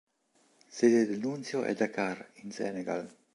Sede del Nunzio è Dakar in Senegal.